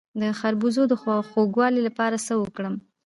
د خربوزو د خوږوالي لپاره څه وکړم؟